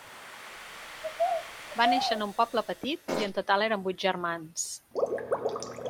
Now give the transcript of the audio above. Va néixer en un poble petit i en total eren vuit germans.